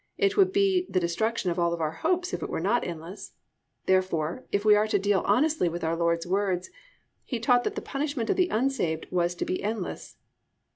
It would be the destruction of all our hopes if it were not endless. Therefore, if we are to deal honestly with our Lord's words, He taught that the punishment of the unsaved was to be endless.